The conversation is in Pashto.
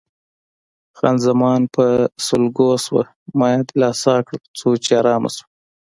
خان زمان په سلګو شوه، ما یې دلاسا کړل څو چې آرامه شوه.